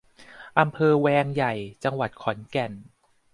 อำเภอแวงใหญ่ จังหวัดขอนแก่น